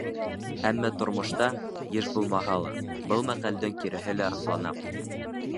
Әммә тормошта, йыш булмаһа ла, был мәҡәлдең киреһе лә раҫлана.